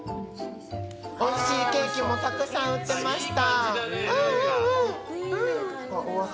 おいしいケーキもたくさん売ってました！